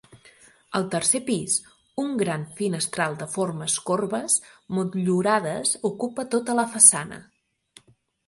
Al tercer pis, un gran finestral de formes corbes motllurades ocupa tota la façana.